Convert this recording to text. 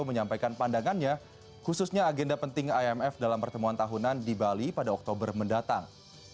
menyampaikan pandangannya khususnya agenda penting imf dalam pertemuan tahunan di bali pada oktober mendatang